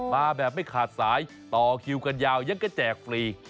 มาแบบไม่ขาดสายต่อคิวกันยาวยังก็แจกฟรี